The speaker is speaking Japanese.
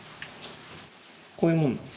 こういうもんなん？